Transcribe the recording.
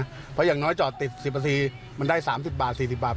เพราะอย่างน้อยจอดติด๑๐นาทีมันได้๓๐บาท๔๐บาท